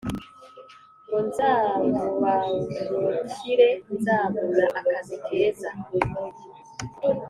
ngo nzabaumukire, nzabona akazi keza